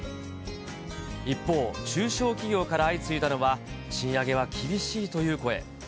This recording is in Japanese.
一方、中小企業から相次いだのは、賃上げは厳しいという声。